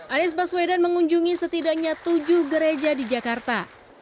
anies baswedan mengunjungi setidaknya tujuh gereja di jakarta